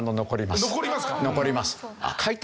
残りますか？